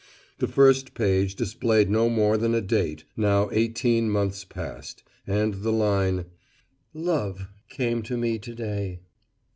The first page displayed no more than a date now eighteen months past, and the line: "Love came to me to day."